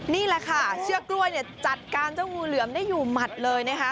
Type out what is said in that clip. นี่แหละค่ะเชือกกล้วยเนี่ยจัดการเจ้างูเหลือมได้อยู่หมัดเลยนะคะ